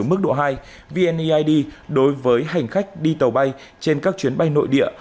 mức độ hai vnuid đối với hành khách đi tàu bay trên các chuyến bay nội địa